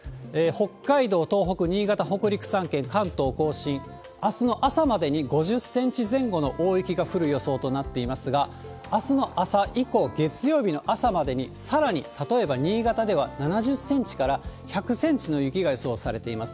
北海道、東北、新潟、北陸三県、関東甲信、あすの朝までに５０センチ前後の大雪が降る予想となっていますが、あすの朝以降、月曜日の朝までに、さらに、例えば新潟では７０センチから１００センチの雪が予想されています。